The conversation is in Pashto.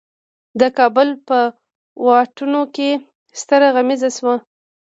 د کابل په واټونو کې ستره غمیزه شوه.